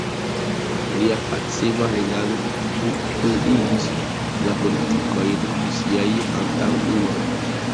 Lia pacema regado pluigis la politikojn de siaj antaŭuloj.